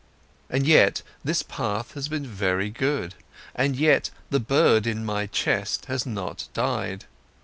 And yet, this path has been very good; and yet, the bird in my chest has not died.